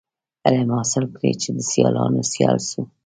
علم حاصل کړی چي د سیالانو سیال سو.